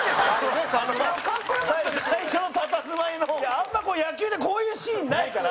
あんま、野球でこういうシーンないから。